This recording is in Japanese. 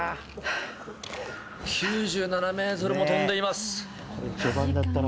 ９７メートルも飛んでいます。